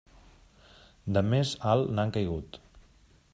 De més alt n'han caigut.